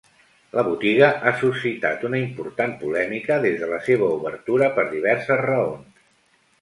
La botiga ha suscitat una important polèmica des de la seva obertura per diverses raons.